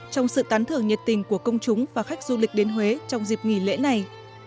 trong sự tán thưởng nhiệt tình của công chúng và khách du lịch đến huế trong dịp nghỉ lễ này